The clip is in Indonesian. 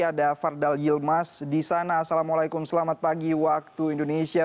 ada fardal ylmas di sana assalamualaikum selamat pagi waktu indonesia